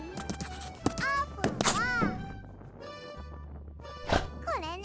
あーぷんはこれね。